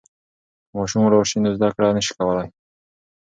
که ماشوم وډار سي نو زده کړه نسي کولای.